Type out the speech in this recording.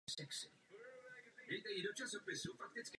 Nemůže ji vykonávat vláda.